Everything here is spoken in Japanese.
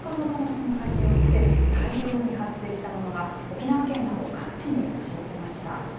場の噴火によって、大量に発生したものが、沖縄県など各地に押し寄せました。